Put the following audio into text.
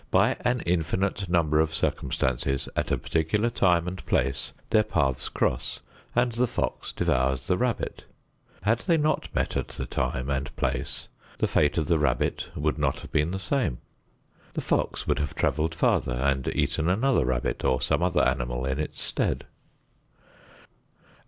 By an infinite number of circumstances, at a particular time and place, their paths cross and the fox devours the rabbit. Had they not met at the time and place, the fate of the rabbit would not have been the same. The fox would have traveled farther and eaten another rabbit or some other animal in its stead.